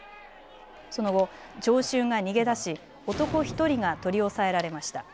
その後、聴衆が逃げ出し男１人が取り押さえられました。